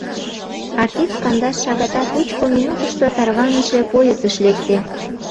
Артист кандаш шагатат лучко минутышто тарваныше поездыш лекте.